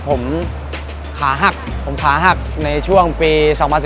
ผมขาหักผมขาหักในช่วงปี๒๐๑๙